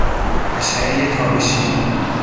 اشعهی تابشی